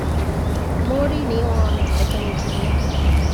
މޮރިީނިއޯއާ މެދު ދެކެނީ ކިހިނެއް؟